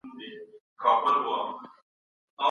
قوم ته یې د مقاومت